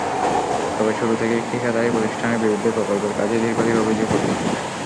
তবে শুরু থেকেই ঠিকাদারি প্রতিষ্ঠানের বিরুদ্ধে প্রকল্পের কাজে ধীরগতির অভিযোগ ওঠে।